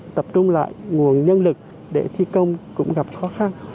tập trung lại nguồn nhân lực để thi công cũng gặp khó khăn